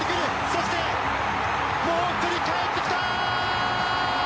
そして、もう１人かえってきた！